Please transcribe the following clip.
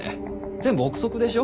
全部臆測でしょ？